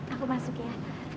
aku masuk ya